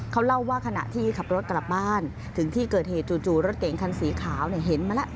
เขาเล่าว่าขณะที่ขับรถกลับบ้านถึงที่เกิดเหตุจู่รถเก๋งคันสีขาวเนี่ยเห็นมาแล้ว